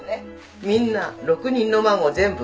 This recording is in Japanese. みんな６人の孫全部。